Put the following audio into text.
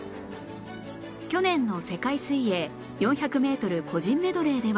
去年の世界水泳４００メートル個人メドレーでは